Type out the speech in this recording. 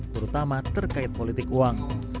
terutama terkait politik uang